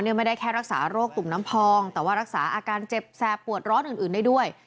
ไม่ได้แค่รักษาโรคตุ่มน้ำพองแต่ว่ารักษาอาการเจ็บแสบปวดร้อนอื่นได้ด้วย